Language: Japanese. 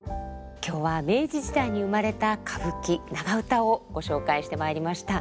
今日は明治時代に生まれた歌舞伎長唄をご紹介してまいりました。